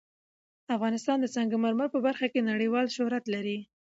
افغانستان د سنگ مرمر په برخه کې نړیوال شهرت لري.